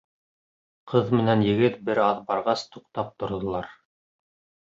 Ҡыҙ менән егет бер аҙ барғас туҡтап торҙолар.